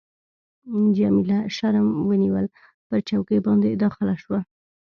جميله شرم ونیول، پر چوکۍ باندي داخله شوه.